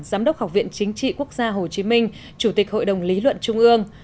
giám đốc học viện chính trị quốc gia hồ chí minh chủ tịch hội đồng lý luận trung ương